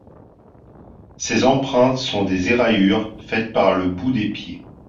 Ces empreintes sont des éraillures faites par le bout des pieds.